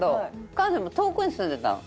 彼女も遠くに住んでたの。